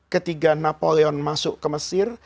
ketika napoleon masuk ke mesir